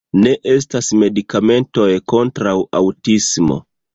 Ne estas medikamentoj kontraŭ aŭtismo.